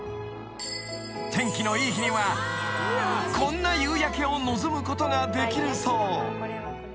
［天気のいい日にはこんな夕焼けを望むことができるそう］